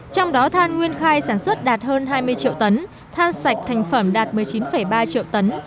trong đó than nguyên khai sản xuất đạt hơn hai mươi triệu tấn than sạch thành phẩm đạt một mươi chín ba triệu tấn